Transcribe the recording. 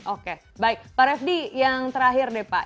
oke baik pak refdi yang terakhir deh pak